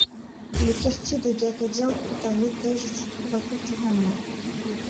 Le quartier des gardiens d'un étage se trouve à côté.